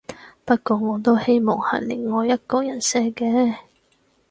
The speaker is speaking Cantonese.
不過我都希望係另外一個人寫嘅